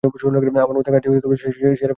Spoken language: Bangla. আমার মতে, কাজটি সেরে ফেলার সময় এসে গেছে।